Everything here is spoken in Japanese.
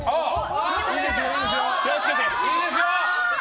いいですよ。